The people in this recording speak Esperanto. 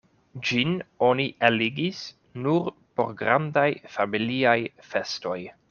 Ĝin oni eligis nur por grandaj familiaj festoj.